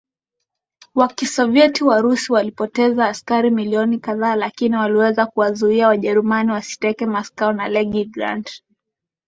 wa KisovyetiWarusi walipoteza askari milioni kadhaa lakini waliweza kuwazuia Wajerumani wasiteke Moscow na Leningrad